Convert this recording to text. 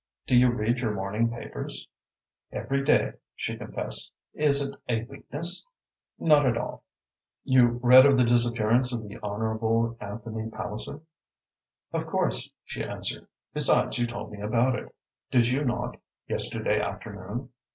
Do you read your morning papers?" "Every day," she confessed. "Is it a weakness?" "Not at all." "You read of the disappearance of the Honourable Anthony Palliser?" "Of course," she answered. "Besides, you told me about it, did you not, yesterday afternoon?